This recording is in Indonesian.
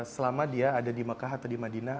selama dia ada di mekah atau di madinah